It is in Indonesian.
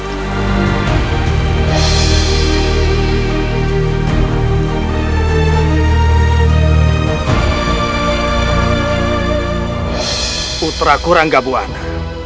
putra kurang gabuana